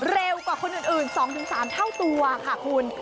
เร็วกว่าคนอื่น๒๓เท่าตัวค่ะคุณ